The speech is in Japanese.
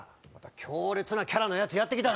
強烈なキャラのヤツやってきたな